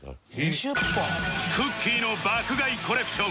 くっきー！の爆買いコレクション